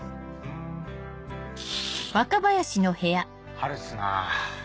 春っすな。